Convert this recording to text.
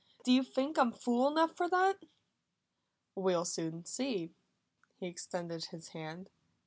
Do you think I'm fool enough for that?" "We'll soon see." He extended his hand.